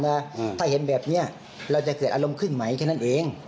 ถ้าเห็นแบบนี้เราจะเกิดอารมณ์ขึ้นไหมแค่นั้นเอง